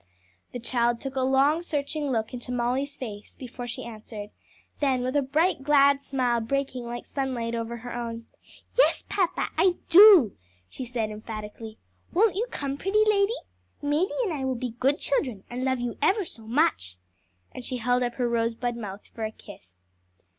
The child took a long, searching look into Molly's face before she answered; then, with a bright, glad smile breaking like sunlight over her own, "Yes, papa, I do!" she said, emphatically. "Won't you come, pretty lady? Madie and I will be good children, and love you ever so much." And she held up her rosebud mouth for a kiss.